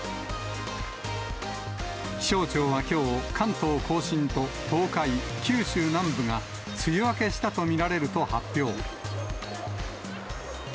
気象庁はきょう、関東甲信と東海、九州南部が、梅雨明けしたと見られると発表。